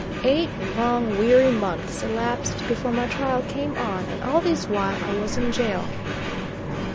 Eight long weary months elapsed before my trial came on, and all this while I was in jail.